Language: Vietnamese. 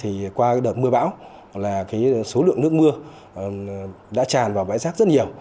thì qua đợt mưa bão là số lượng nước mưa đã tràn vào bãi rác rất nhiều